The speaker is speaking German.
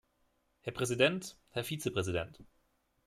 Herr Präsident, Herr Vizepräsident!